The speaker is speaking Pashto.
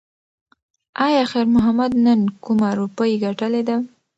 ایا خیر محمد نن کومه روپۍ ګټلې ده؟